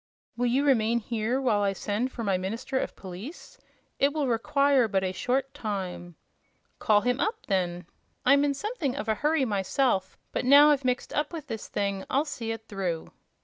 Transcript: "Will you remain here while I send for my minister of police? It will require but a short time." "Call him up, then. I'm in something of a hurry myself, but now I've mixed up with this thing I'll see it through."